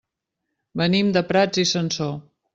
Venim de Prats i Sansor.